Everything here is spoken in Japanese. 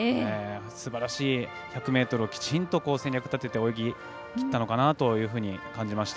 すばらしい１００ｍをきちんと戦略立てて泳ぎきったと感じました。